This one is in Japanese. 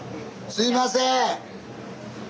すいません！